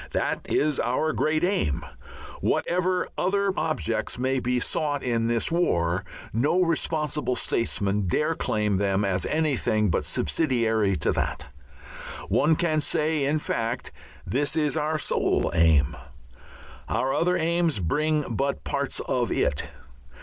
That is our great aim. Whatever other objects may be sought in this war no responsible statesman dare claim them as anything but subsidiary to that; one can say, in fact, this is our sole aim, our other aims being but parts of it.